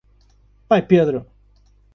Pai Pedro